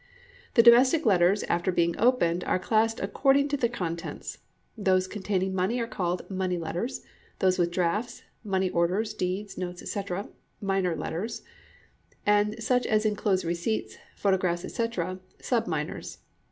The domestic letters, after being opened, are classed according to their contents. Those containing money are called "Money Letters;" those with drafts, money orders, deeds, notes, etc., "Minor Letters;" and such as inclose receipts, photographs, etc., "Sub Minors."